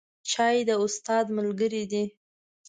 چای د استاد ملګری دی